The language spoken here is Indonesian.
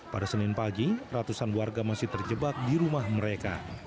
pada senin pagi ratusan warga masih terjebak di rumah mereka